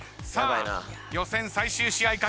さあ予選最終試合。